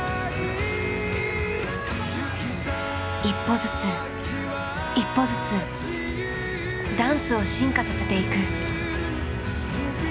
１歩ずつ１歩ずつダンスを進化させていく。